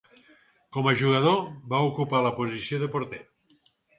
Com a jugador, va ocupar la posició de porter.